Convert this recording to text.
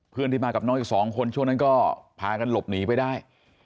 เพื่อนที่มากับน้องอีก๒คนช่วงนั้นก็พากันหลบหนีไปได้